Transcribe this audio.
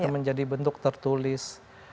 menjadi bentuk tertulis